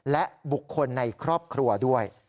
และบุคคลในครอบครัวด้วย